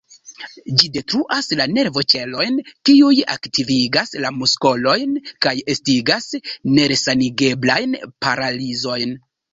Ĝi detruas la nervoĉelojn, kiuj aktivigas la muskolojn, kaj estigas neresanigeblajn paralizojn.